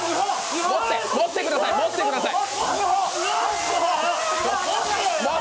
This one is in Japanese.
持ってください！